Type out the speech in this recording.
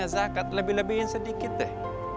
zakat lebih lebihin sedikit deh